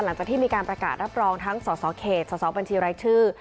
หลังจากที่มีการประกาศรับรองทั้งสสเขตสอบบัญชีรายชื่อ